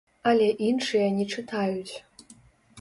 Але іншыя не чытаюць.